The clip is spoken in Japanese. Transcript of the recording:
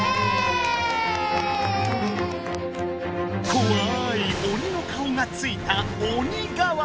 こわい鬼の顔がついた鬼瓦。